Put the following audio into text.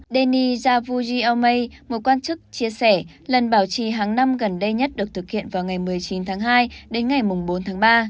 deni javuji aomay một quan chức chia sẻ lần bảo trì hàng năm gần đây nhất được thực hiện vào ngày một mươi chín tháng hai đến ngày bốn tháng ba